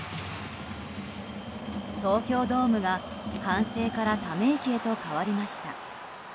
東京ドームが歓声からため息へと変わりました。